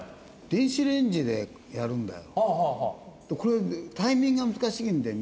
電子レンジでいいんだ。